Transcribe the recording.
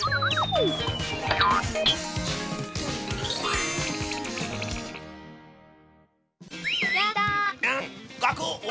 うん。